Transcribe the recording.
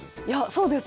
そうです。